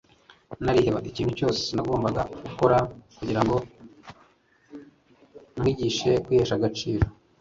nariheba ikintu cyose nagombaga gukora, kugirango nkwigishe kwihesha agaciro